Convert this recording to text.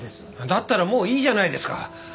だったらもういいじゃないですか。